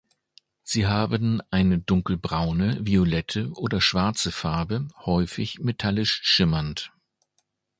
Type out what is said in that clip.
Sie haben eine dunkelbraune, violette oder schwarze Farbe, häufig metallisch schimmernd.